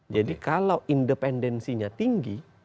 jadi kalau independensinya tinggi